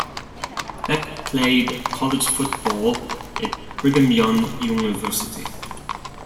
Beck played college football at Brigham Young University.